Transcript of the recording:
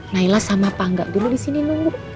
naila sama pangga dulu disini nunggu